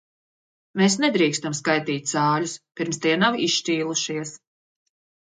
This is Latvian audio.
Mēs nedrīkstam skaitīt cāļus, pirms tie nav izšķīlušies.